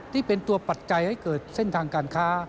ที่เป็นตัวปัจจัยให้เกิดเส้นทางการค้า